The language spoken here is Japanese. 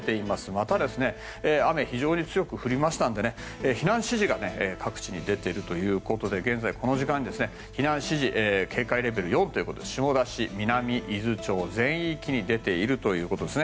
また、雨が非常に強く降りましたので避難指示が各地に出ているということで現在、この時間に避難指示警戒レベル４ということで下田市、南伊豆町全域に出ているということです。